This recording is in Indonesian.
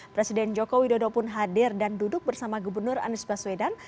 presiden joko widodo pun hadir dan duduk bersama gubernur anies baswedan